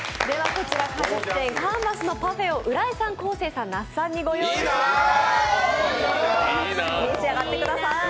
こちら、果実店ｃａｎｖａｓのパフェを浦井さんと昴生さん、那須さんにご用意しました。